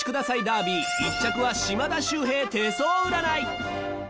ダービー１着は『島田秀平手相占い』。